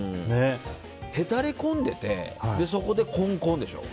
へたり込んでてそこでコンコンでしょ。